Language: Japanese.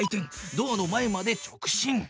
ドアの前まで直進。